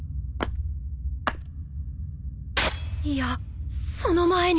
いやその前に